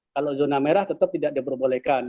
kalau zona merah tetap tidak diperbolehkan